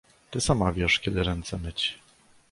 Ty sama wiesz, kiedy ręce myć!